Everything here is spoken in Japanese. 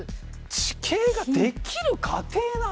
地形ができる過程なんだ。